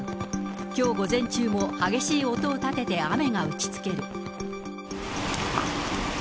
きょう午前中も激しい音を立てて雨が打ちつける。